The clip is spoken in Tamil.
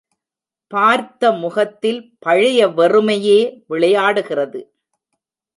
பார்த்த முகத்தில் பழைய வெறுமை யே விளையாடுகிறது.